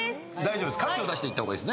歌詞を出していった方がいいですね。